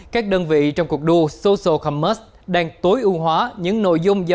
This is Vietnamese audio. các đơn vị trong cuộc đua social commerce đang tối ưu hóa những nội dung